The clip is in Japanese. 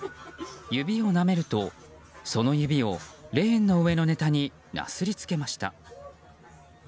指をなめるとその指をレーンの上のネタになすりつけました。